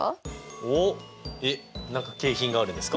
おおえっ何か景品があるんですか？